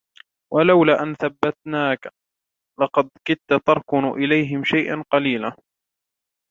ولولا أن ثبتناك لقد كدت تركن إليهم شيئا قليلا